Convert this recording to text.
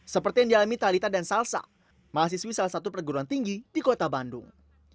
seperti yang dialami talitha dan salsa mahasiswi salah satu perguruan tinggi di kota bandung